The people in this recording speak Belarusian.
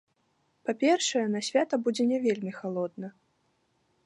Па-першае, на свята будзе не вельмі халодна.